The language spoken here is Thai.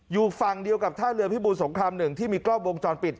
อยู่ฝั่งเดียวกับท่าเรือพิบูรสงคราม๑ที่มีกล้องวงจรปิด